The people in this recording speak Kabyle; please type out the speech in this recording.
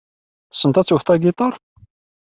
Tessneḍ ad tewteḍ agiṭar?